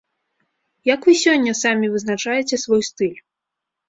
Як вы сёння самі вызначаеце свой стыль?